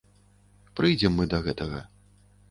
Прыйдзем мы да гэтага.